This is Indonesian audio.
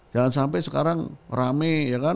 jangan sampai sekarang rame